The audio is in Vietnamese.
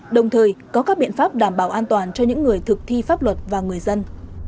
đồng thời có các biện pháp đảm bảo an toàn cho những người thực thi pháp luật và người dân